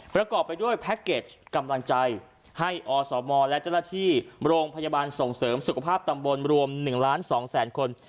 ประกอบไปด้วยแพ็คเกจกำลังใจให้อสมและเจ้าหน้าที่โรงพยาบาลส่งเสริมสุขภาพตำบลรวม๑ล้าน๒แสนคน